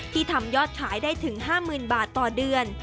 ที่ทำยอดขายได้ถึง๕หมื่นบาทต่อเดือน